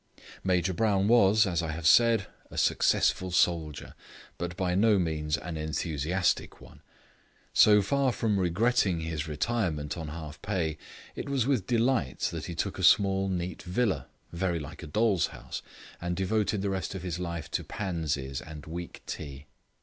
Major Brown was, I have said, a successful soldier, but by no means an enthusiastic one. So far from regretting his retirement on half pay, it was with delight that he took a small neat villa, very like a doll's house, and devoted the rest of his life to pansies and weak tea.